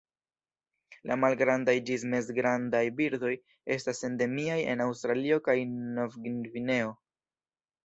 La malgrandaj ĝis mezgrandaj birdoj estas endemiaj en Aŭstralio kaj Nov-Gvineo.